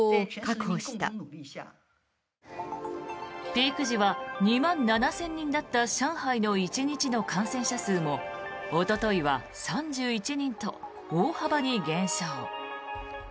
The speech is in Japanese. ピーク時は２万７０００人だった上海の１日の感染者数もおとといは３１人と大幅に減少。